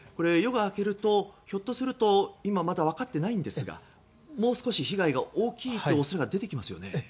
夜が明けるとひょっとすると今まだ分かっていないんですがもう少し被害が大きい可能性出てきますよね。